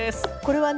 これはね